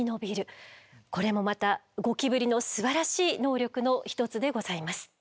これもまたゴキブリのすばらしい能力の一つでございます。